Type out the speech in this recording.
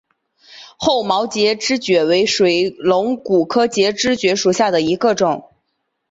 厚毛节肢蕨为水龙骨科节肢蕨属下的一个种。